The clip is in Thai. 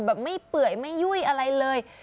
ไม่เปื่อยไม่ยุ่ยอะไรเลย